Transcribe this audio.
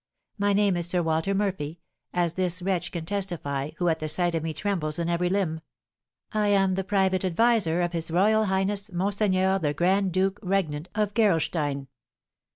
My name is Sir Walter Murphy, as this wretch can testify, who at the sight of me trembles in every limb. I am the private adviser of his royal highness Monseigneur the Grand Duke Regnant of Gerolstein.'